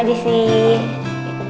tante aku mau berbicara